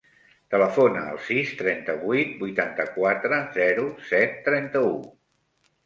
Telefona al sis, trenta-vuit, vuitanta-quatre, zero, set, trenta-u.